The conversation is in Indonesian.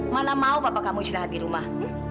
mana mau bapak kamu istirahat di rumah